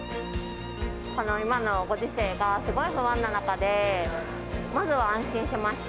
この今のご時世がすごい不安の中で、まずは安心しました。